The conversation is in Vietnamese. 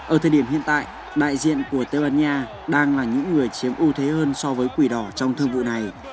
ở thời điểm hiện tại đại diện của tây ban nha đang là những người chiếm ưu thế hơn so với quỷ đỏ trong thương vụ này